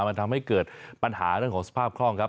มันทำให้เกิดปัญหาเรื่องของสภาพคล่องครับ